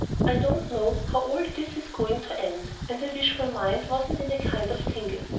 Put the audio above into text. I don't know how all this is going to end, and I wish my mind wasn't in a kind of tingle.